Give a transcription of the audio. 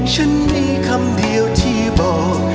ฉันมีคำเดียวที่บอก